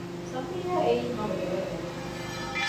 ޞަފިއްޔާ އެއީ ހަމަ ދެވަނަ މަންމަ